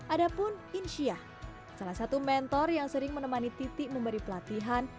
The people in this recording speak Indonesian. adapun inshia salah satu mentor yang sering menemani titi memberi pelatihan